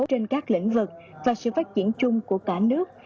trên các lĩnh vực và sự phát triển chung của cả nước